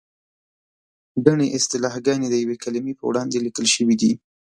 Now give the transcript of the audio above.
ګڼې اصطلاحګانې د یوې کلمې په وړاندې لیکل شوې دي.